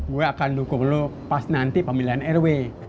gue akan dukung lu pas nanti pemilihan rw